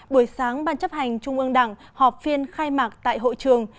buổi sáng ban chấp hành trung ương đảng họp phiên khai mạc tại hội trường